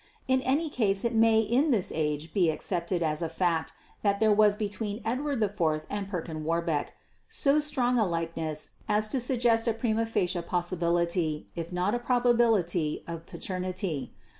In any case it may in this age be accepted as a fact that there was between Edward IV and Perkin Warbeck so strong a likeness as to suggest a prima facie possibility, if not a probability, of paternity.